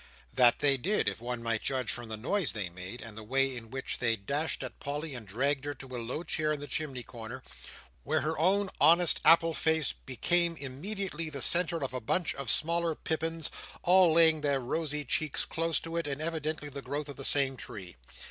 That they did, if one might judge from the noise they made, and the way in which they dashed at Polly and dragged her to a low chair in the chimney corner, where her own honest apple face became immediately the centre of a bunch of smaller pippins, all laying their rosy cheeks close to it, and all evidently the growth of the same tree.